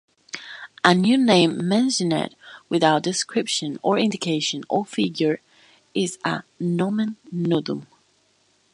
A new name mentioned without description or indication or figure is a "nomen nudum".